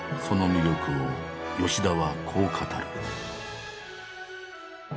その魅力を吉田はこう語る。